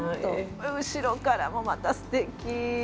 後ろからもまたすてき！